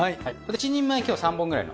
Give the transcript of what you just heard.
１人前今日３本くらいの。